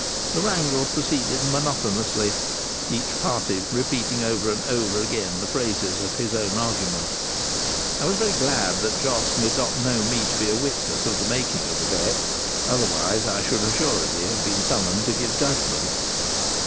The wrangle proceeded monotonously, each party repeating over and over again the phrases of his own argument. I was very glad that Jos did not know me to be a witness of the making of the bet; otherwise I should assuredly have been summoned to give judgment.